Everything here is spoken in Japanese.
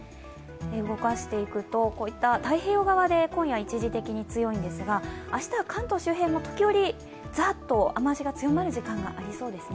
動かしていくとこういった太平洋側で今夜一時的に強いんですが、明日は関東周辺も時折、ザーッと雨足が強まる時間がありそうです。